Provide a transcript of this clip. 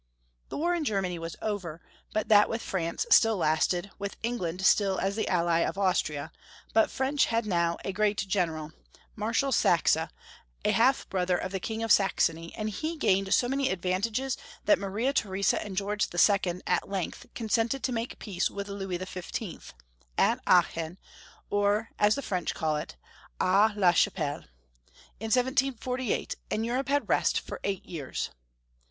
The war in Germany was over, but that with France still lasted, with England still as the ally of Austria; but France had now a gi*eat general, 401 402 Young Folk%' History of Crermany, Marshal Saxe, a half brother of the King of Saxony and he gained so many advantages that Maria Theresa and George II. at length consented to make peace with Louis XV. at Aachen, or, as the French call it, Aix la Chapelle, in 1748, and Europe had rest for eight years.